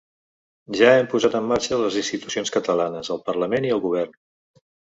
Ja hem posat en marxa les institucions catalanes, el parlament i el govern.